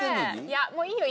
いやもういいよ